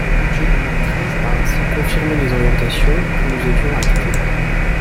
Le budget deux mille treize a ainsi confirmé les orientations que nous avions actées.